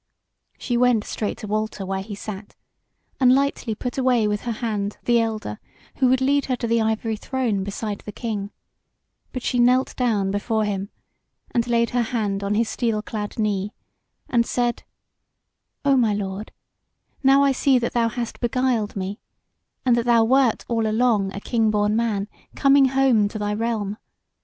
She went straight to Walter where he sat, and lightly put away with her hand the elder who would lead her to the ivory throne beside the King; but she knelt down before him, and laid her hand on his steel clad knee, and said: "O my lord, now I see that thou hast beguiled me, and that thou wert all along a king born man coming home to thy realm.